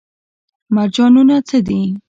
مرجانونه څه دي؟